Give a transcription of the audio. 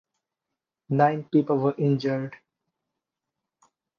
Nine people were injured.